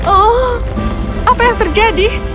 oh apa yang terjadi